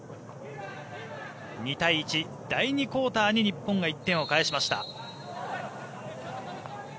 ２対１、第２クオーターに日本が１点を返しました。